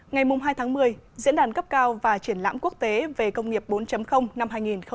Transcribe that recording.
ngày hai tháng một mươi diễn đàn cấp cao và triển lãm quốc tế về công nghiệp bốn năm hai nghìn một mươi chín